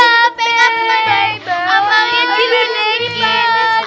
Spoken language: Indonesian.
asalnya orang kaya katanya di mesin kepegak